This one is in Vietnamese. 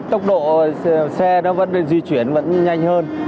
tốc độ xe nó vẫn di chuyển vẫn nhanh hơn